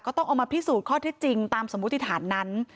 ต้องเอามาพิสูจน์ข้อเท็จจริงตามสมมติฐานนั้น